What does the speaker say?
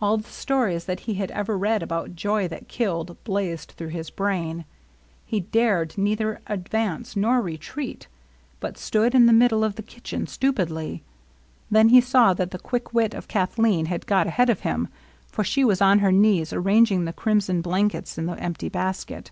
All the stories that he had ever read about joy that killed blazed through his brain. He dared neither advance nor retreat, but stood in the mid LOVELINESS. 89 die of the kitchen^ stupidly. Then he saw that the quick wit of Kathleen had got ahead of him ; for she was on her knees arranging the crimson blan kets in the empty basket.